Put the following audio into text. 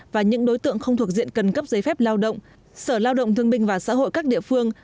và những đối tượng không thuộc diện cần cấp giấy phép lao động sở lao động thương binh và xã hội các địa phương